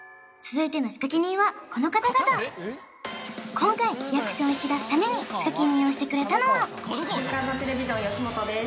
今回リアクションを引き出すために仕掛け人をしてくれたのは週刊ザテレビジョン由本です